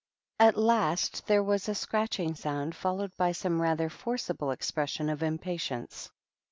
At last there was a scratch ing sound followed by some rather forcible ex pression of impatience.